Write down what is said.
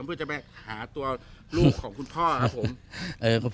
เพื่อจะไปหาตัวลูกของคุณพ่อครับผม